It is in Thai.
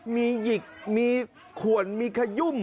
มีหยิกมีขวนมีขยุ่ม